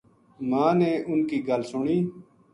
ماں نے اُنھ کی گل سنی